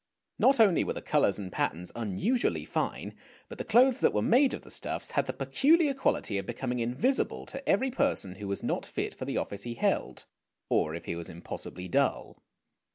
Not only were the colours and patterns unusually fine, but the clothes that were made of the stuffs had the peculiar quality of becoming invisible to every person who was not fit for the office he held, or if he was impossibly dull.